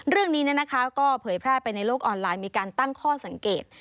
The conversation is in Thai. เรื่องนี้ก็เผยแพร่ไปในโลกออนไลน์มีการตั้งข้อสังเกต